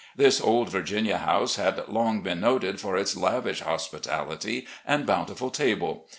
This old Virginia house had long been noted for its lavish hospitality and botmtiful table.